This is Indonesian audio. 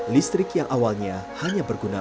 listrik yang awalnya hanya berguna